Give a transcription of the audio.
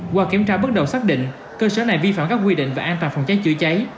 qua kiểm tra bước đầu xác định cơ sở này vi phạm các quy định về an toàn phòng cháy chữa cháy